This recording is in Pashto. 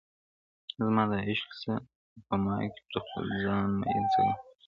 زما عاشق سه او په ما کي پر خپل ځان مین سه ګرانه-